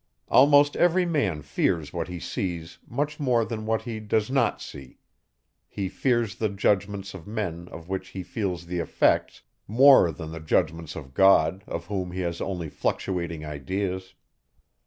Almost every man fears what he sees much more than what he does not see; he fears the judgments of men of which he feels the effects, more than the judgments of God of whom he has only fluctuating ideas.